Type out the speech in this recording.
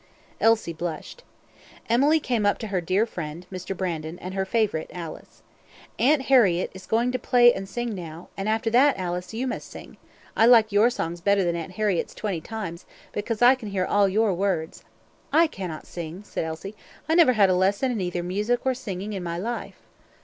Elsie blushed. Emily came up to her dear friend, Mr. Brandon, and her favourite, Alice. "Aunt Harriett is going to play and sing now, and after that, Alice, you must sing. I like your songs better than Aunt Harriett's twenty times, because I can hear all your words." "I cannot sing," said Elsie, "I never had a lesson in either music or singing in my life."